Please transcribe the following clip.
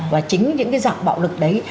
và chính những cái dạng bạo lực đấy